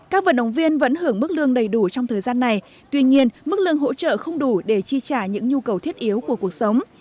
các vận động viên vẫn hưởng mức lương đầy đủ trong thời gian này tuy nhiên mức lương hỗ trợ không đủ để chi trả những nhu cầu thiết yếu của cuộc sống